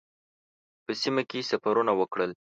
په سیمه کې سفرونه وکړل.